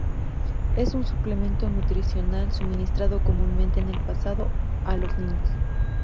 Es un suplemento nutricional, suministrado comúnmente en el pasado a los niños.